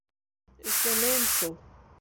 Эшләмәйем шул.